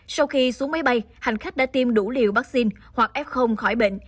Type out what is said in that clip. sau khi xuống máy bay hành khách đã tiêm đủ liều vắc xin hoặc f khỏi bệnh